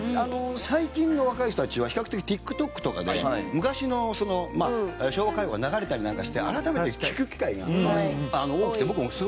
最近の若い人たちは比較的ＴｉｋＴｏｋとかで昔のその昭和歌謡が流れたりなんかして改めて聴く機会が多くて僕もすごく嬉しいです。